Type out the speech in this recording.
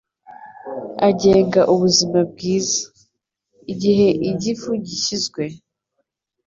agenga ubuzima bwiza. Igihe igifu gishyizwe